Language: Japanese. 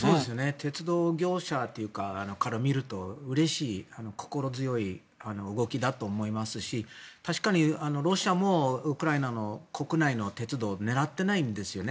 鉄道業者から見るとうれしい、心強い動きだと思いますし確かにロシアもウクライナの国内の鉄道を狙っていないんですよね。